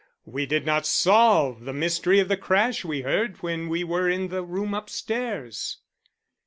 "We did not solve the mystery of the crash we heard when we were in the room upstairs."